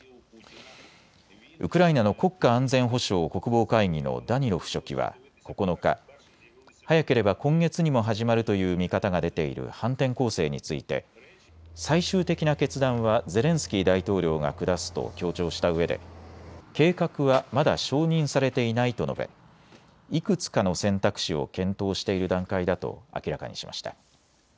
ウクライナの国家安全保障・国防会議のダニロフ書記は９日、早ければ今月にも始まるという見方が出ている反転攻勢について最終的な決断はゼレンスキー大統領が下すと強調したうえで計画はまだ承認されていないと述べ、いくつかの選択肢を検討している段階だと明らかにしました。